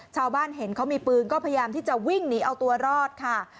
ชาวบ้านเห็นเขามีปืนก็พยายามที่จะวิ่งหนีเอาตัวรอดค่ะ